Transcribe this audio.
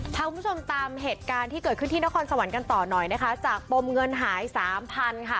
คุณผู้ชมตามเหตุการณ์ที่เกิดขึ้นที่นครสวรรค์ต่อหน่อยจากปมเงินหาย๓๐๐๐บาท